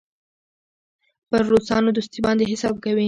پر روسانو دوستي باندې حساب کوي.